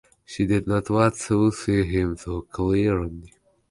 She did not want to see him too clearly.